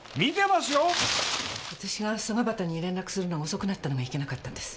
私が曽ヶ端に連絡するのが遅くなったのがいけなかったんです。